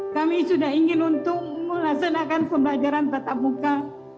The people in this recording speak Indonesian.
kami sudah ingin untuk melaksanakan pembelajaran tatap muka